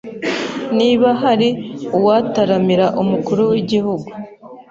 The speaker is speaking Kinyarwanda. Niba hari uwataramira umukuru w'igihugu